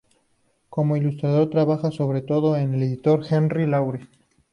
Como ilustrador, trabaja sobre todo con el editor Henri Laurens.